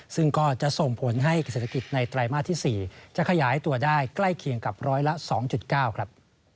ซึ่งก็จะส่งผลให้เกษตรในไตรมาสที่๔จะขยายตัวได้ใกล้เคียงกับร้อยละ๒๙ครับ